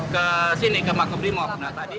ke sini ke markas brimob